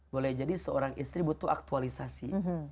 boleh jadi seorang istri butuh aktualisasi